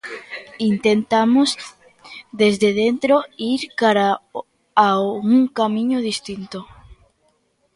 Intentamos, desde dentro, ir cara a un camiño distinto.